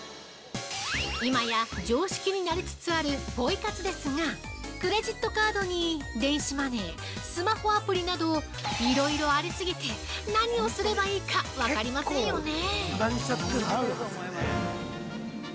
今や常識になりつつあるポイ活ですがクレジットカードに電子マネースマホアプリなどいろいろあり過ぎて、何をすればいいか、分かりませんよね？